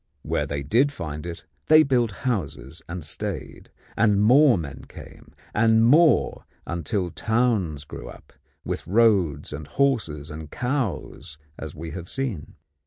Where they did find it they built houses and stayed, and more men came, and more, until towns grew up, with roads and horses and cows as we had seen.